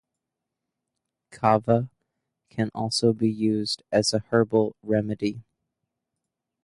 Kava can also be used as a herbal remedy.